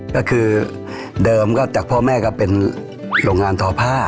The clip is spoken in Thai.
ก็คือเดิมก็จากพ่อแม่ก็เป็นโรงงานทอผ้า